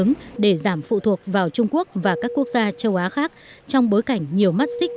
ứng để giảm phụ thuộc vào trung quốc và các quốc gia châu á khác trong bối cảnh nhiều mắt xích